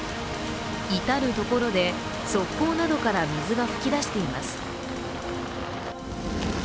至る所で側溝などから水が噴き出しています。